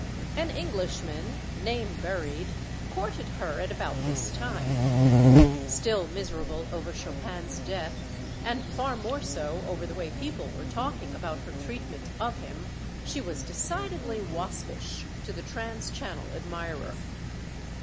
An Englishman (name buried) courted her at about this time. Still miserable over Chopin's death and far more so over the way people were talking about her treatment of him she was decidedly waspish to the trans Channel admirer.